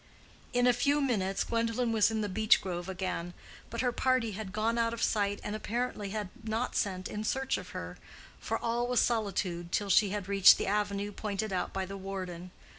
In a few minutes Gwendolen was in the beech grove again but her party had gone out of sight and apparently had not sent in search of her, for all was solitude till she had reached the avenue pointed out by the warden.